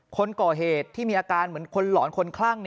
คนก่อเหตุที่มีอาการเหมือนคนหลอนคนคลั่ง